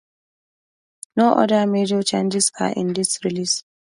No other major changes are in this release.